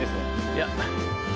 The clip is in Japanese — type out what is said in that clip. いや。